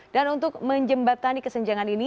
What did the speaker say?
dan untuk menjembatani kesenjangan ini